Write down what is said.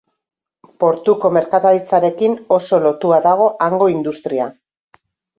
Portuko merkataritzarekin oso lotua dago hango industria.